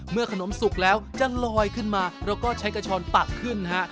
เมื่อขนมสุกแล้วจะลอยขึ้นมาเราก็ใช้กระชรตักขึ้นนะฮะ